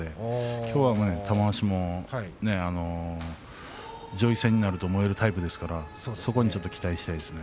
きょうは玉鷲も上位戦になると燃えるタイプですからそこにちょっと期待したいですね。